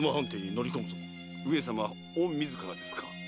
上様御自らですか？